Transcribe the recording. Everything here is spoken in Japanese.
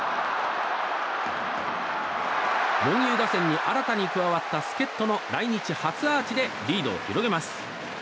猛牛打線に新たに加わった助っ人の来日初アーチでリードを広げます。